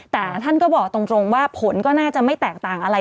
แต่ท่านก็บอกตรงว่าผลก็น่าจะไม่แตกต่างอะไร